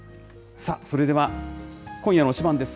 さあ、それでは今夜の推しバン！です。